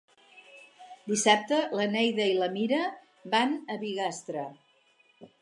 Dissabte na Neida i na Mira van a Bigastre.